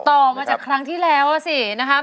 ต่อมาจากครั้งที่แล้วอ่ะสินะครับ